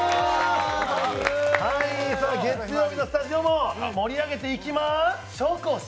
月曜日のスタジオも盛り上げていきま紹興酒！